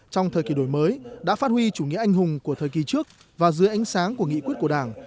trong thời kỳ đổi mới đã phát huy chủ nghĩa anh hùng của thời kỳ trước và dưới ánh sáng của nghị quyết của đảng